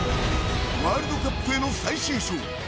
ワールドカップへの最終章。